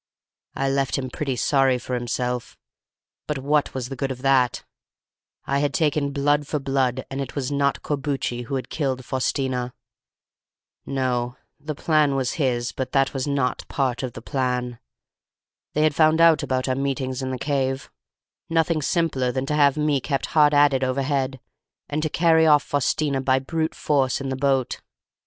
"I left him pretty sorry for himself; but what was the good of that? I had taken blood for blood, and it was not Corbucci who had killed Faustina. No, the plan was his, but that was not part of the plan. They had found out about our meetings in the cave: nothing simpler than to have me kept hard at it overhead and to carry off Faustina by brute force in the boat.